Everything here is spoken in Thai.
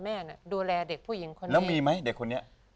แหวน